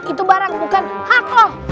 itu barang bukan hak lo